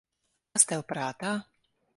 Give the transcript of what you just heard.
Kas tev prātā?